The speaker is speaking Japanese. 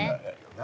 何？